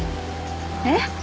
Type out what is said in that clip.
えっ？